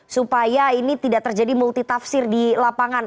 supaya ini tidak terjadi multi tafsir di lapangan